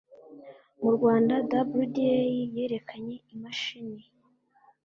mu rwanda wda yerekanye imashini